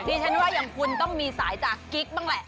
ดิฉันว่าอย่างคุณต้องมีสายจากกิ๊กบ้างแหละ